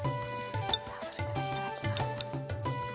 さあそれではいただきます。